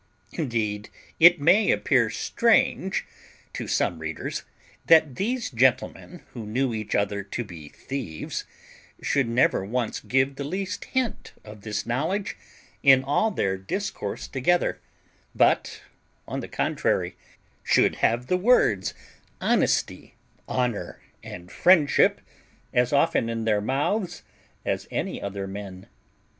Indeed it may appear strange to some readers that these gentlemen, who knew each other to be thieves, should never once give the least hint of this knowledge in all their discourse together, but, on the contrary, should have the words honesty, honour, and friendship as often in their mouths as any other men.